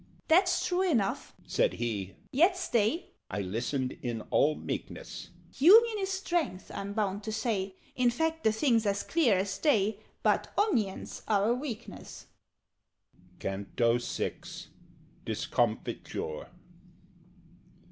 "That's true enough," said he, "yet stay " I listened in all meekness "Union is strength, I'm bound to say; In fact, the thing's as clear as day; But onions are a weakness." CANTO VI. Dyscomfyture.